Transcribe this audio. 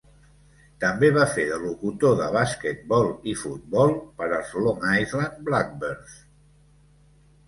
També va fer de locutor de basquetbol i futbol per als Long Island Blackbirds.